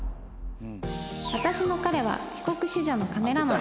私の彼は帰国子女のカメラマン